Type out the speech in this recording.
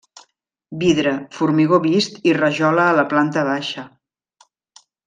Vidre, formigó vist i rajola a la planta baixa.